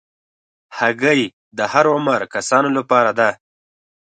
هګۍ د هر عمر کسانو لپاره ده.